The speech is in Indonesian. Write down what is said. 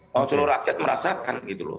bahwa seluruh rakyat merasakan gitu loh